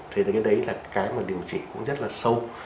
thế thì cái đấy là cái mà điều trị cũng rất là sâu